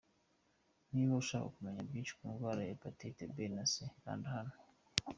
Niba ushaka kumenya byinshi ku ndwara ya hepatite B na C kanda hano.